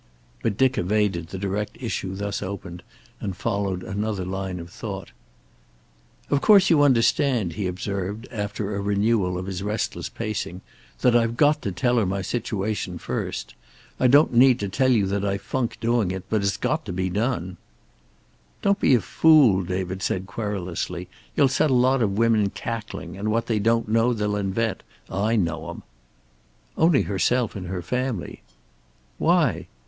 But Dick evaded the direct issue thus opened and followed another line of thought. "Of course you understand," he observed, after a renewal of his restless pacing, "that I've got to tell her my situation first. I don't need to tell you that I funk doing it, but it's got to be done." "Don't be a fool," David said querulously. "You'll set a lot of women cackling, and what they don't know they'll invent. I know 'em." "Only herself and her family." "Why?"